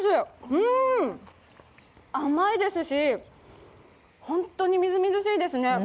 うーん、甘いですし、本当にみずみずしいですね。